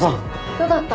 どうだった？